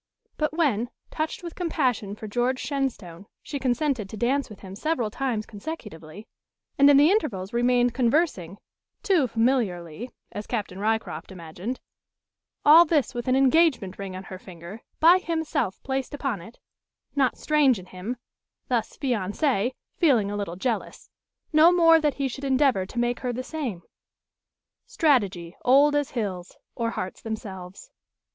But when, touched with compassion for George Shenstone, she consented to dance with him several times consecutively, and in the intervals remained conversing too familiarly, as Captain Ryecroft imagined all this with an "engagement ring" on her finger, by himself placed upon it not strange in him, thus fiance, feeling a little jealous; no more that he should endeavour to make her the same. Strategy, old as hills, or hearts themselves.